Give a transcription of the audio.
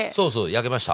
焼けました。